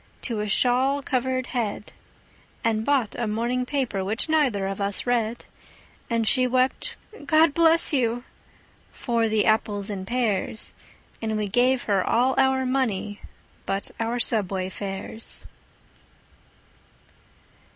to a shawl covered head, And bought a morning paper, which neither of us read; And she wept, "God bless you!" for the apples and pears, And we gave her all our money but our subway fares.